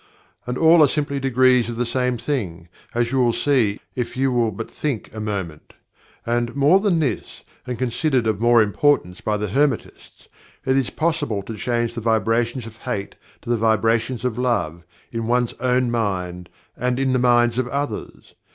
And all are simply degrees of the same thing, as you will see if you will but think a moment. And, more than this (and considered of more importance by the Hermetists), it is possible to change the vibrations of Hate to the vibrations of Love, in one's own mind, and in the minds of others.